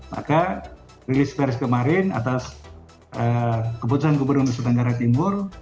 maka rilis rilis kemarin atas keputusan gubernur setengah timur